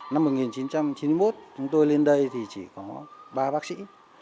năm một nghìn chín trăm chín mươi một chúng tôi lên đây thì chỉ có ba bác sĩ